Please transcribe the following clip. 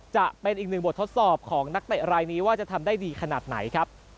จะเป็นอีกหนึ่งบททดสอบของนักเตะรายนี้ว่าจะทำได้ดีขนาดไหนครับ